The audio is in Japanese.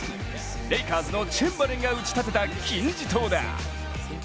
レイカーズのチェンバレンがうち立てた金字塔だ。